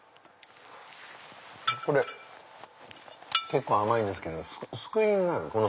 これ結構甘いんですけど救いになる！